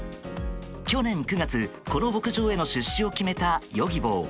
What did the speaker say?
去年９月、この牧場への出資を決めたヨギボー。